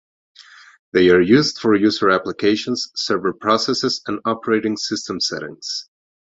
They are used for user applications, server processes and operating system settings.